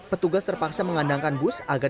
petugas terpaksa mengandangkan bus agar